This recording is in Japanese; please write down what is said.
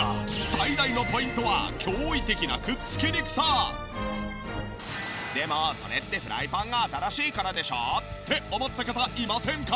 最大のポイントはでもそれってフライパンが新しいからでしょ？って思った方いませんか？